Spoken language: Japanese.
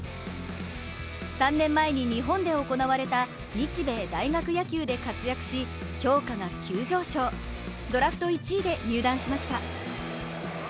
３年前に日本で行われた日米大学野球で活躍し、評価が急上昇、ドラフト１位で入団しました。